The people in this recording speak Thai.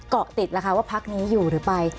เกาะติดนะคะว่าพรรคนี้อยู่หรือไป